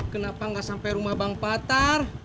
kenapa nggak sampai rumah bang patar